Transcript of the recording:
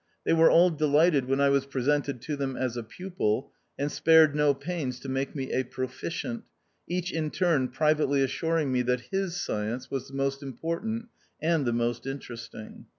They were all delighted when I was presented to them as a pupil, and spared no pains to make me a proficient, each in turn privately assuring me that his science was the most important and the most interesting.